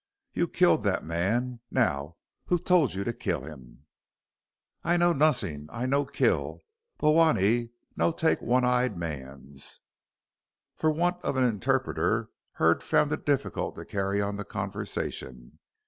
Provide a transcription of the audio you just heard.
"You killed that man. Now, who told you to kill him?" "I know nozzin', I no kill. Bhowanee no take one eye mans." For want of an interpreter Hurd found it difficult to carry on the conversation.